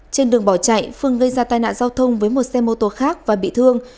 trên đường bỏ chạy phương gây ra tai nạn giao thông với một xe mô tô khác và bị thương